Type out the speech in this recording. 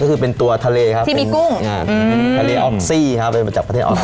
ก็คือเป็นตัวทะเลครับที่มีกุ้งทะเลออกซีครับเป็นมาจากประเทศออกซี